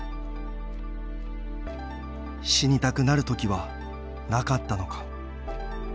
「死にたくなる時はなかったのか」